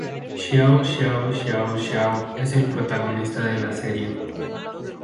Xiao Xiao Xiao Xiao es el protagonista de la serie.